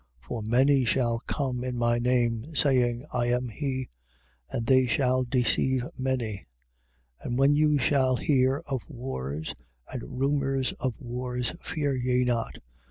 13:6. For many shall come in my name saying, I am he: and they shall deceive many. 13:7. And when you shall hear of wars and rumours of wars, fear ye not.